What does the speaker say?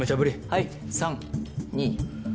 はい３２１。